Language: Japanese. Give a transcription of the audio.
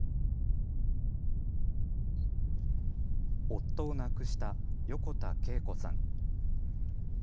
夫を亡くした横田啓子さん。